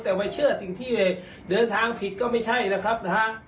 แต่ไม่เชื่อสิ่งที่เดินทางผิดก็ไม่ใช่นะครับนะฮะ